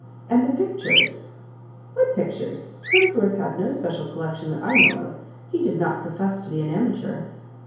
"And the pictures?" "What pictures? Crimsworth had no special collection that I know of he did not profess to be an amateur."